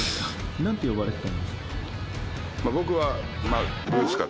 なんて呼ばれてたんですか？